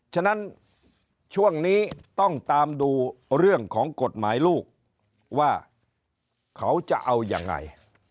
ฉะนั้นช่วงนี้ต้องตามดูเรื่องของกฎหมายลูกว่าเขาจะเอายังไง